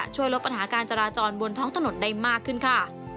ช่วยลดปัญหาการจราจรบนท้องถนนได้มากขึ้นค่ะ